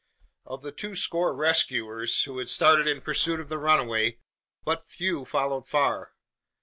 Of the two score rescuers, who had started in pursuit of the runaway, but few followed far.